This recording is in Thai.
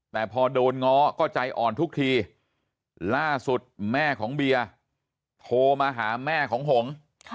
แต่พอโดนง้อก็ใจอ่อนทุกทีล่าสุดแม่ของเบียร์โทรมาหาแม่ของหง